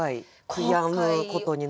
悔やむことになる。